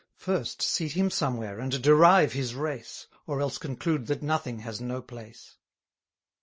First, seat him somewhere, and derive his race, Or else conclude that nothing has no place.